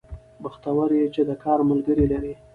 بختور يې چې د کار ملګري لرې